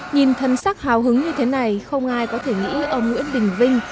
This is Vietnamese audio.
nhìn thân sắc hào hứng như thế này không ai có thể nghĩ ông nguyễn bình vinh